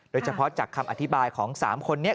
โดยเฉพาะจากคำอธิบายของ๓คนนี้